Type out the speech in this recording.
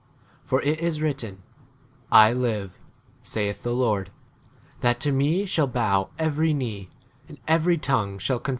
m For it is written, I live, saith the Lord, that to me shall bow every knee, and every tongue shall confess to g T.